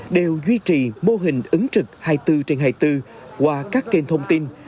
đều duy trì mô hình ứng trực hai mươi bốn trên hai mươi bốn qua các kênh thông tin